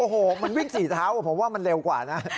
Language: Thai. โอ้โหมันวิ่ง๔เท้าผมว่ามันเร็วกว่านะ